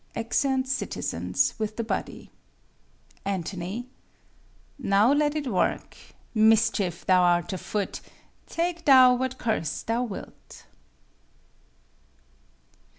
[Exeunt Citizens, with the body. Ant. Now let it work. Mischief, thou art afoot, Take thou what course thou wilt!